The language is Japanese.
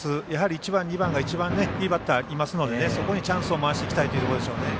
１番、２番が一番いいバッターがいますのでそこにチャンスを回していきたいということでしょうね。